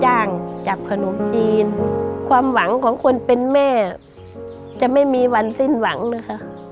จับขนมจีนความหวังของคนเป็นแม่จะไม่มีวันสิ้นหวังนะคะ